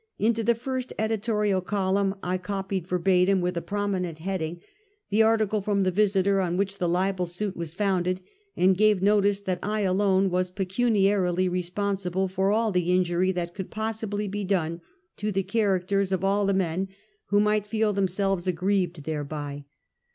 Into the first editorial column I copied verbatim, with a prominent heading, the article from the Visiter on which the libel suit was founded, and gave notice that I alone was pecuniarily responsible for all the injury that could possibly be done to the characters of all the men who might feel themselves aggrieved thereby.